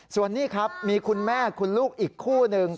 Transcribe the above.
ส่วนนี้ครับมีคุณแม่คุณลูกอีกคู่หนึ่ง